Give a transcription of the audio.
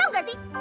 tau nggak sih